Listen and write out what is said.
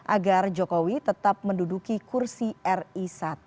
agar jokowi tetap menduduki kursi ri satu